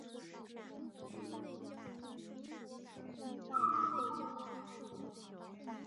埃尔格尔斯堡是德国图林根州的一个市镇。